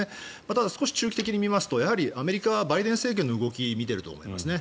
ただ、少し中期的に見ますとアメリカのバイデン政権の動きを見ていると思いますね。